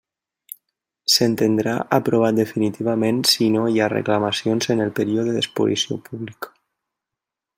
S'entendrà aprovat definitivament si no hi ha reclamacions en el període d'exposició pública.